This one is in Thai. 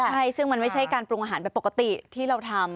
ใช่ซึ่งมันไม่ใช่การปรุงอาหารแบบปกติที่เราทำ